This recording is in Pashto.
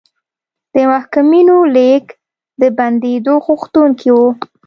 د محکومینو لېږد د بندېدو غوښتونکي وو.